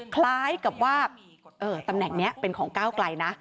คล้ายกับว่าตำแหน่งนี้เป็นของก้าวไกลนะ